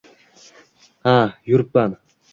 haaaa yurippan.